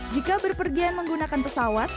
jika berpergian menggunakan pesawat